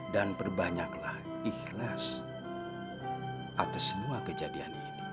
dan berbanyaklah ikhlas atas semua kejadian ini